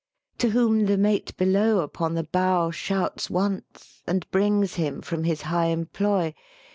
To whom the mate below upon the bough Shouts once and brings him from his high employ.